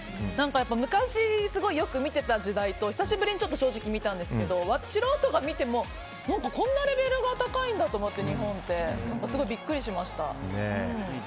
昔、すごいよく見てた時代と久しぶりに正直見たんですけど素人が見てもこんなレベルが高いんだ日本ってと思って。